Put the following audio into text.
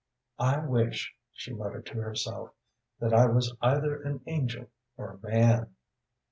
"I wish," she muttered to herself, "that I was either an angel or a man."